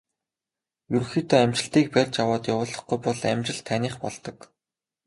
Ерөнхийдөө амжилтыг барьж аваад явуулахгүй бол амжилт таных болдог.